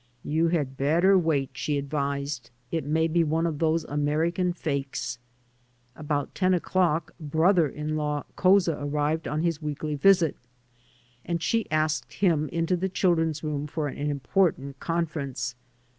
"You had better wait," she advised; "it may be one of those American fakes." About ten o'clock "brother in law" Couza arrived on his weekly visit, and she asked him into the children's room for an important conference.